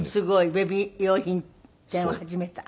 ベビー用品店を始めた。